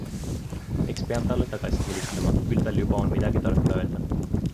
Eks pean talle tagasi helistama, küll tal juba on midagi tarka öelda.